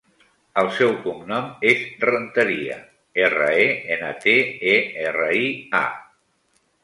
El seu cognom és Renteria: erra, e, ena, te, e, erra, i, a.